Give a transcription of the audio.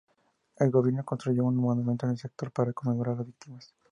El Gobierno construyó un monumento en el sector para conmemorar las víctimas.